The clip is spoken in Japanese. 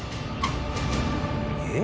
えっ？